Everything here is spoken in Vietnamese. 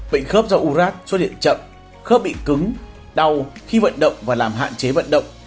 bệnh khớp do urat xuất hiện chậm khớp bị cứng đau khi vận động và làm hạn chế vận động